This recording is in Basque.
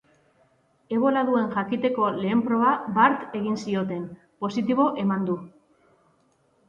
Ebola duen jakiteko lehen proba bart egin zioten, positibo eman du.